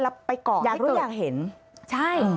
แล้วไปก่อให้เกิดอยากรู้อยากเห็นใช่